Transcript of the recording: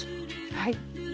はい。